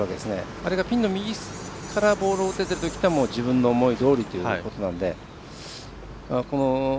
あれがピンの右から打てているときというのは自分の思いどおりということなんで。